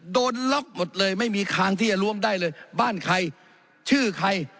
โดนล็อกหมดเลยไม่มีทางที่จะล้วงได้เลยบ้านใครชื่อใคร